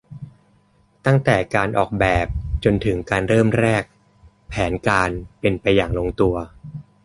ตั้งแต่การออกแบบจนถึงการเริ่มแรก แผนการเป็นไปอย่างลงตัว